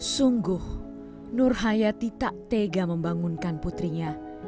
sungguh nurhayati tak tega membangunkan putrinya